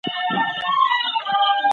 خدیجې هیلې ته په لوړ غږ غږ وکړ.